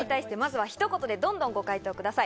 ひと言で、どんどんご回答ください。